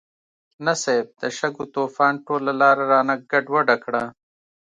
نه صيب، د شګو طوفان ټوله لاره رانه ګډوډه کړه.